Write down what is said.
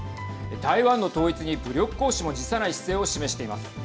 台湾の統一に武力行使も辞さない姿勢を示しています。